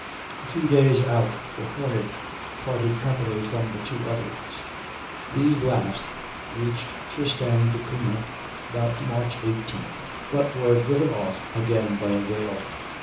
A few days out the Hornet parted company from the two others; these last reached Tristan d'Acunha about March 18th, but were driven off again by a gale.